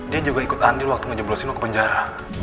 dia juga ikut andil waktu ngejeblosin lo ke penjara